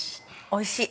◆おいしい。